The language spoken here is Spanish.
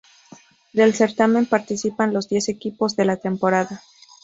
Del certamen participan los diez equipos de la temporada.